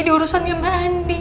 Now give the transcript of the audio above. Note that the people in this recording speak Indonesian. di urusan yang mandi